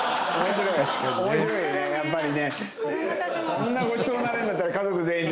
こんなごちそうになれるんだったら家族全員で。